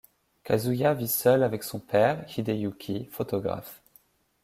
Kazuya vit seul avec son père, Hideyuki, photographe.